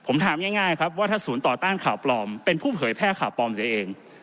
ผมถามง่ายครับว่าถ้าศูนย์ต่อต้านข่าวปลอมเป็นผู้เผยแพร่ข่าวปลอมเสียเอง